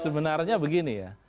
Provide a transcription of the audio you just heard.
sebenarnya begini ya